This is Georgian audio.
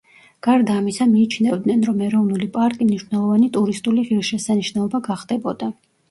გარდა ამისა, მიიჩნევდნენ, რომ ეროვნული პარკი მნიშვნელოვანი ტურისტული ღირსშესანიშნაობა გახდებოდა.